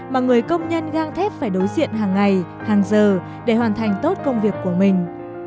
mà người công nhân gang thép phải đối diện hàng ngày hàng giờ để hoàn thành tốt công việc của mình